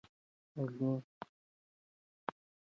علمي اثار په پښتو ولیکئ.